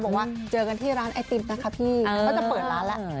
บอกว่าเจอกันที่ร้านไอติมนะคะพี่ก็จะเปิดร้านแล้ว